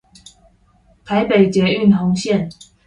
台北捷運紅線